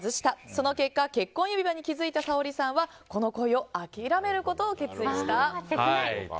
その結果結婚指輪に気付いたサオリさんはこの恋を諦めることを決意した。